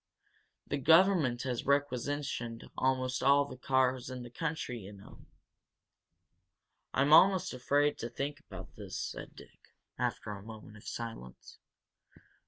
The government has requisitioned almost all the cars in the country, you know." "I'm almost afraid to think about this," said Dick, after a moment of silence.